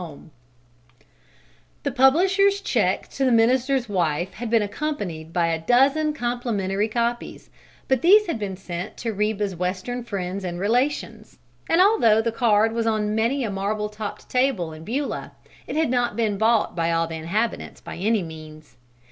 [Illustration: HANDS THAT TREMBLED, AS EVERYBODY COULD SEE] The publishers' check to the minister's wife had been accompanied by a dozen complimentary copies, but these had been sent to Reba's Western friends and relations; and although the card was on many a marble topped table in Beulah, it had not been bought by all the inhabitants, by any means.